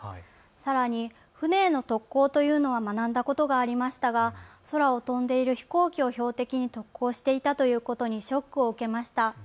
さらに船への特攻というのは学んだことがありましたが空を飛んでいる飛行機を標的に特攻をしていたということにショックを受けました。